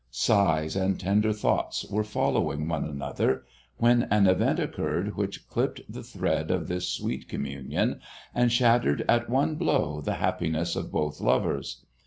Sighs and tender thoughts were following one another, when an event occurred which clipped the thread of this sweet communion and shattered at one blow the happiness of both lovers.